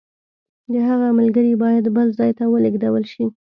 د هغه ملګري باید بل ځای ته ولېږل شي.